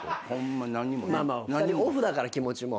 オフだから気持ちも。